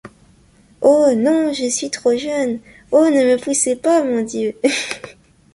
Oh ! non, je suis trop jeune !— Oh ! ne me poussez pas, Mon Dieu !